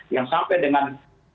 yang sampai dengan